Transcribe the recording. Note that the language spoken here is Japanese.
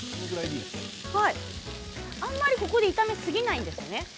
あまりここで炒めすぎないんですね。